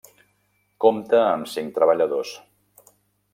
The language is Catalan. Compta amb cinc treballadors.